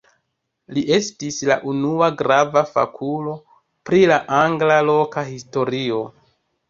Li estis la unua grava fakulo pri la angla loka historio.